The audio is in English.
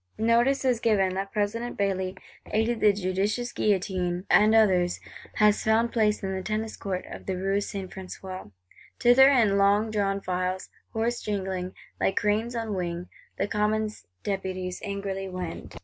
—Notice is given that President Bailly, aided by judicious Guillotin and others, has found place in the Tennis Court of the Rue St. François. Thither, in long drawn files, hoarse jingling, like cranes on wing, the Commons Deputies angrily wend.